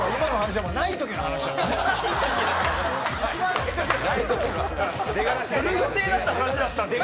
する予定だった話だったんですよ。